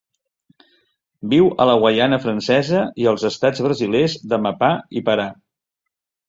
Viu a la Guaiana Francesa i els estats brasilers d'Amapá i Pará.